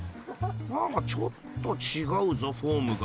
［何かちょっと違うぞフォームが］